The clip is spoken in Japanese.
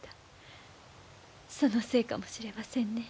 そのせいかもしれませんね。